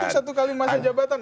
hanya untuk satu kali masa jabatan